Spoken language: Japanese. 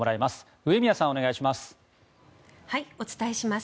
上宮さん、お願いします。